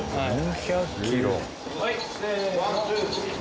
はい。